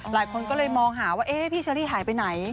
หลายคนก็เลยมองหาว่าพี่เชอรี่หายไปไหน